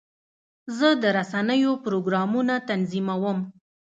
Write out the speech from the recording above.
زه د رسنیو پروګرامونه تنظیموم.